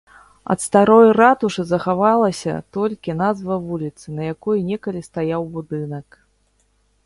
Ад старой ратушы захавалася толькі назва вуліцы, на якой некалі стаяў будынак.